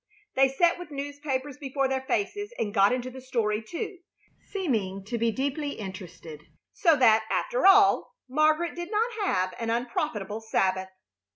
They sat with newspapers before their faces and got into the story, too, seeming to be deeply interested, so that, after all, Margaret did not have an unprofitable Sabbath.